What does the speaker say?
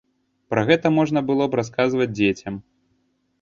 Пра гэта можна было б расказваць дзецям.